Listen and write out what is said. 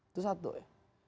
itu satu ya